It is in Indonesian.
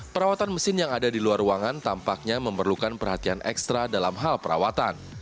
perawatan mesin yang ada di luar ruangan tampaknya memerlukan perhatian ekstra dalam hal perawatan